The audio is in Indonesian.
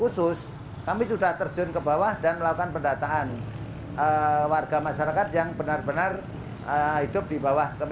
sehingga kalau kesehatan dan pendidikan ini bagi warga masyarakat yang betul betul membutuhkan kesehatan